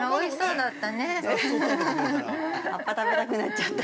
◆葉っぱ食べたくなっちゃった。